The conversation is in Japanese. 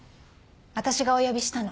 私がお呼びしたの。